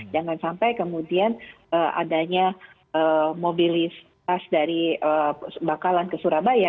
jangan sampai kemudian adanya mobilisasi dari bangkalan ke surabaya